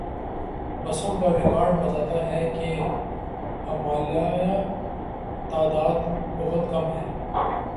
بسوں کا ریکارڈ بتاتا ہے کہ عملا یہ تعداد بہت کم ہے۔